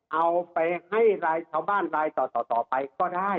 เอาไปให้รายชาวบ้านรายต่อไปก็ได้